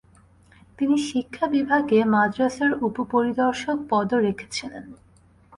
তিনি শিক্ষা বিভাগে মাদ্রাসার উপ-পরিদর্শক পদও রেখেছিলেন।